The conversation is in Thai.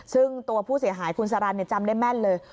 ซึ่งตัวผู้เสียหายคุณสารันจำได้แม่นเลย